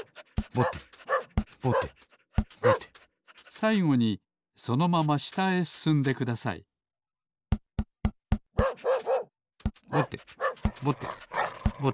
さいごにそのまましたへすすんでくださいぼてぼてぼて。